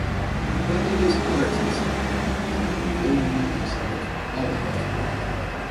'But it is art' he said 'and I will willingly exhibit all of it.